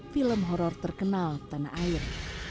film horror terkenal tanah air